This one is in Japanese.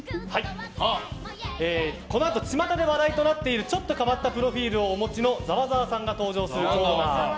このあとちまたで話題となっているちょっと変わったプロフィールをお持ちのざわざわさんが登場するコーナー。